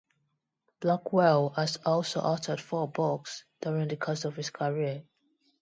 Blackwell has also authored four books during the course of his career.